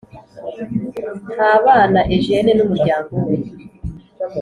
ntabana eugene n umuryango we